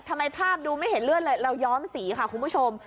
ภาพดูไม่เห็นเลือดเลยเราย้อมสีค่ะคุณผู้ชม